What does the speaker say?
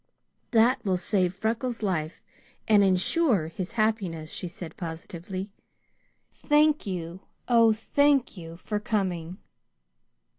"That will save Freckles' life and insure his happiness," she said positively. "Thank you, oh thank you for coming!"